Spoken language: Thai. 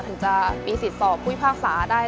ถึงจะมีสิทธิ์สอบภูสิคภาคศาสตร์ได้